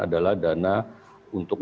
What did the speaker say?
adalah dana untuk